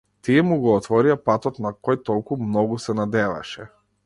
Тие му го отворија патот на кој толку многу се надеваше.